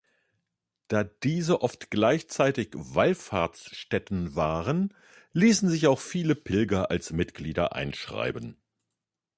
Da diese oft gleichzeitig Wallfahrtsstätten waren, ließen sich auch viele Pilger als Mitglieder einschreiben.